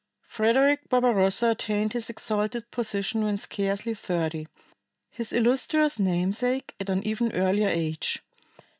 Frederick Barbarossa attained his exalted position when scarcely thirty; his illustrious namesake at an even earlier age.